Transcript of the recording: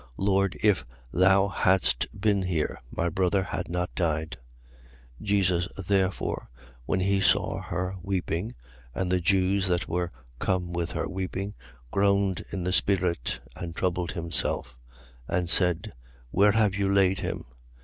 Lord, if thou hadst been here, my brother had not died. 11:33. Jesus, therefore, when he saw her weeping, and the Jews that were come with her weeping, groaned in the spirit and troubled himself, 11:34. And said: Where have you laid him?